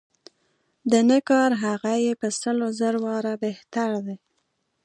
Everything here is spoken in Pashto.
د نه کار هغه یې په سل و زر واره بهتر دی.